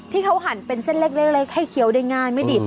หั่นเป็นเส้นเล็กให้เคี้ยวได้ง่ายไม่ดี